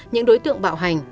những đối tượng bạo hành